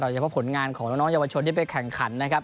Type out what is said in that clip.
เฉพาะผลงานของน้องเยาวชนที่ไปแข่งขันนะครับ